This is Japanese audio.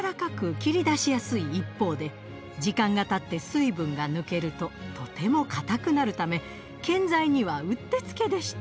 切り出しやすい一方で時間がたって水分が抜けるととても硬くなるため建材にはうってつけでした。